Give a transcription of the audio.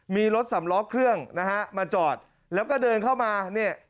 มีรถสำล้อเครื่องนะฮะมาจอดแล้วก็เดินเข้ามาเนี่ย